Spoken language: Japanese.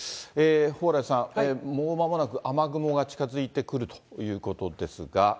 蓬莱さん、もうまもなく雨雲が近づいてくるということですが。